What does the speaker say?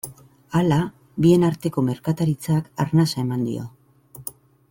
Hala, bien arteko merkataritzak arnasa eman dio.